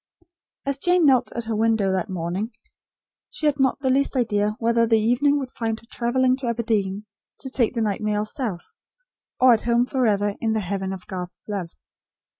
As Jane knelt at her window that morning, she had not the least idea whether the evening would find her travelling to Aberdeen, to take the night mail south; or at home forever in the heaven of Garth's love.